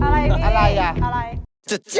ไม่เห็นเหรอ